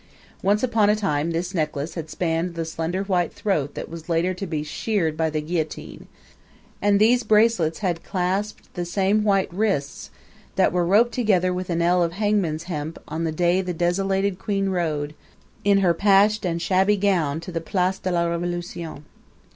Once on a time this necklace had spanned the slender white throat that was later to be sheared by the guillotine, and these bracelets had clasped the same white wrists that were roped together with an ell of hangman's hemp on the day the desolated queen rode, in her patched and shabby gown, to the Place de la Revolution.